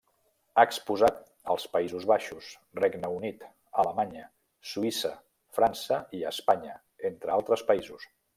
Ha exposat als Països Baixos, Regne Unit, Alemanya, Suïssa, França i Espanya, entre altres països.